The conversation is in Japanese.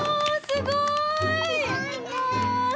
すごいね。